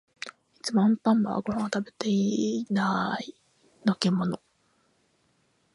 いつもアンパンマンはご飯を食べてない。のけもの？